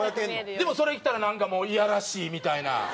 でもそれ着たらなんかもういやらしいみたいな。